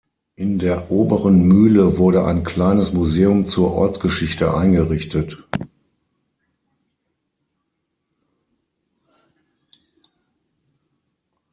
In der Oberen Mühle wurde ein kleines Museum zur Ortsgeschichte eingerichtet.